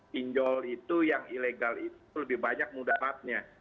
pinjol itu yang ilegal itu lebih banyak mudaratnya